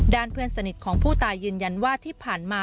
เพื่อนสนิทของผู้ตายยืนยันว่าที่ผ่านมา